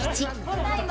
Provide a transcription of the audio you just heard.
ただいま。